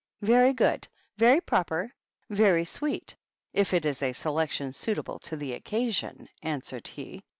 " Very good, very proper, very sweet, if it is a selection suitable to the occasion," answered he.